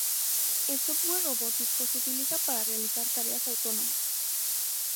El software robótico se utiliza para realizar tareas autónomas.